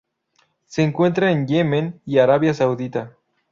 Se encuentra en Yemen y Arabia Saudita.